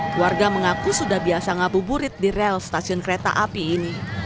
keluarga mengaku sudah biasa ngabuburit di rel stasiun kereta api ini